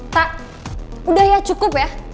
tak udah ya cukup ya